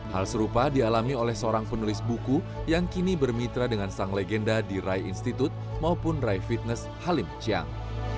hal serupa dialami oleh seorang penulis buku yang kini bermitra dengan sang legenda di rai institut maupun rai fitness halim chiang